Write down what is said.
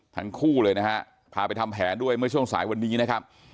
ทั้งคู่เลยนะฮะพาไปทำแผนด้วยเมื่อช่วงสายวันนี้นะครับ